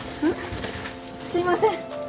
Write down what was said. すいません！